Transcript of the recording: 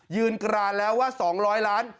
กรานแล้วว่า๒๐๐ล้าน